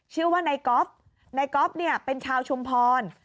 ชื่อว่าไนก๊อฟไนก๊อฟเป็นชาวชุมพร